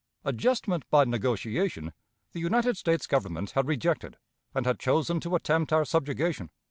Adjustment by negotiation the United States Government had rejected, and had chosen to attempt our subjugation.